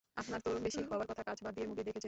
আপনার তো বেশী হওয়ার কথা, কাজ বাদ দিয়ে মুভি দেখেছেন।